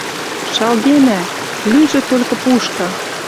Шалгенӓ! Лӱжы толькы пушка».